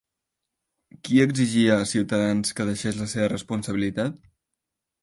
Qui exigia Ciutadans que deixés la seva responsabilitat?